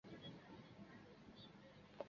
该建筑有一个开放的入口楼梯间。